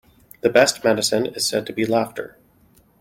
The best medicine is said to be laughter.